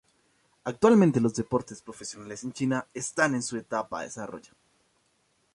Actualmente los deportes profesionales en China están en sus etapas de desarrollo.